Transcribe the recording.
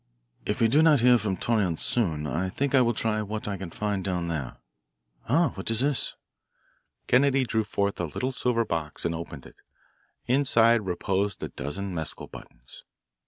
If we do not hear from Torreon soon I think I will try what. I can find down there. Ah, what is this?" Kennedy drew forth a little silver box and opened it. Inside reposed a dozen mescal buttons.